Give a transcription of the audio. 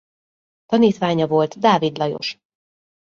Tanítványa volt Dávid Lajos.